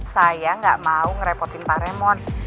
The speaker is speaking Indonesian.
saya gak mau ngerepotin pak remon